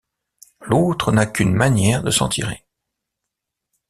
L’aultre n’ha qu’une manière de s’en tirer.